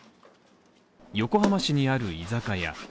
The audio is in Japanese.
横浜市にある居酒屋。